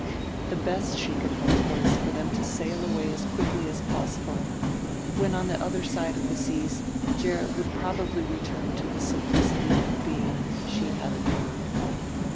The best she could hope was for them to sail away as quickly as possible; when on the other side of the seas Gerrit would probably return to the simplicity of being she had adored.